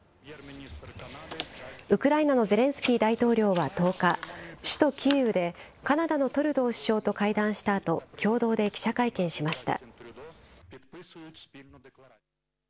ウクライナのゼレンスキー大統領は１０日、首都キーウで、カナダのトルドー首相と会談したあと、共同で記者会見しました。